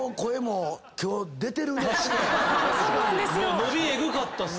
伸びエグかったっす。